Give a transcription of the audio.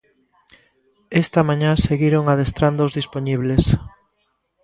Esta mañá seguiron adestrando os dispoñibles.